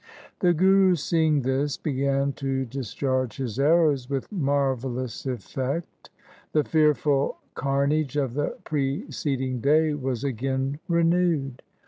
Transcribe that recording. The Guru seeing this began to discharge his arrows with marvellous effect. The fearful carnage of the preceding day was again renewed.